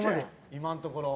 今のところ。